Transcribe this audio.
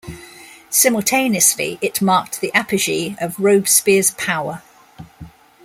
Simultaneously it marked the apogee of Robespierre's power.